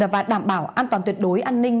và đảm bảo an toàn tuyệt đối an ninh